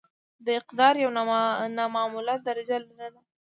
د اقتدار یو نامعموله درجه لرله.